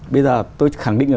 bây giờ tôi khẳng định là